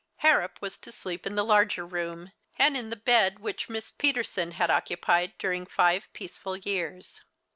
Harrop was to sleep in the larger room, and in the bed which Miss Peterson had occupied during five peaceful years.